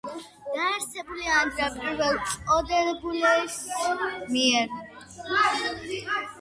დაარსებულია ანდრია პირველწოდებულის მიერ.